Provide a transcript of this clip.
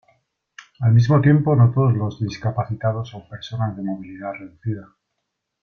Al mismo tiempo, no todos los discapacitados son personas de movilidad reducida.